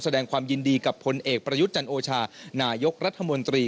สแดงความยินดีกับพลเอกปรยศจรโอชานายกรัฐมนตรี